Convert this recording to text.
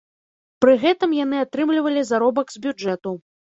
Пры гэтым яны атрымлівалі заробак з бюджэту.